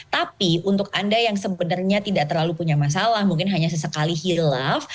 tapi untuk anda yang sebenarnya tidak terlalu punya masalah mungkin hanya sesekali hilaf